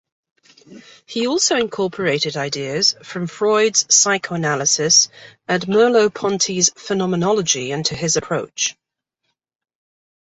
He also incorporated ideas from Freud's psychoanalysis and Merleau-Ponty's phenomenology into his approach.